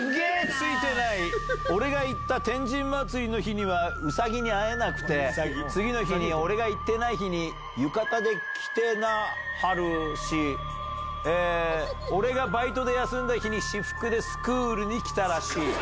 ついてない、俺がいった天神祭りの日にはうさぎに会えなくて、次の日に俺が行っていない日に、浴衣できてなはるし、俺がバイトで休んだ日に私服でスクールに来たらしい。